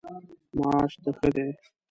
معاش د ښه دی؟